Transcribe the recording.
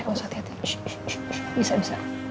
eh jangan hati hati